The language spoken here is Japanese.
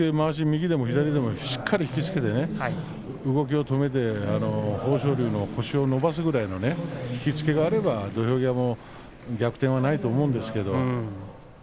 右でも左でもまわしを引き付けて豊昇龍の腰を伸ばすぐらいの引き付けがあれば土俵際逆転はないと思うんですね。